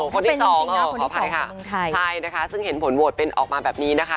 คนที่๒ขออภัยค่ะซึ่งเห็นผลโหวตเป็นออกมาแบบนี้นะคะ